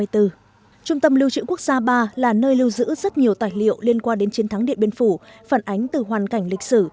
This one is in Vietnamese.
trung tâm lưu trữ quốc gia ba là nơi lưu giữ rất nhiều tài liệu liên quan đến chiến thắng điện biên phủ phản ánh từ hoàn cảnh lịch sử